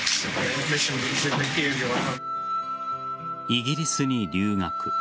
イギリスに留学。